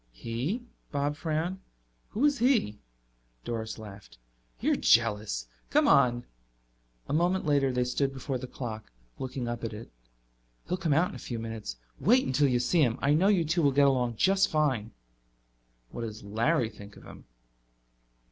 "He?" Bob frowned. "Who is he?" Doris laughed. "You're jealous! Come on." A moment later they stood before the clock, looking up at it. "He'll come out in a few minutes. Wait until you see him. I know you two will get along just fine." "What does Larry think of him?"